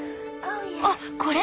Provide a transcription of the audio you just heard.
あっこれ！